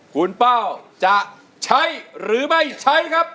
คุณเป้าจะใช้หรือไม่ใช้ครับ